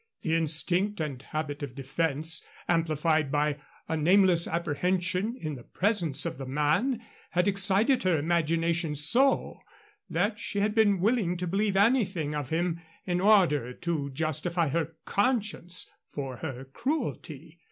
The instinct and habit of defense, amplified by a nameless apprehension in the presence of the man, had excited her imagination so that she had been willing to believe anything of him in order to justify her conscience for her cruelty.